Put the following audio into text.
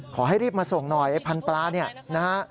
ขอให้รีบมาส่งหน่อยไอ้พันปลาเนี่ยนะฮะ